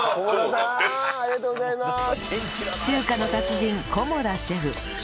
中華の達人菰田シェフ